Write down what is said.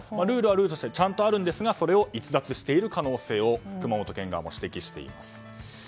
ルールはルールとしてあるんですがそれを逸脱している可能性を熊本県側は指摘しています。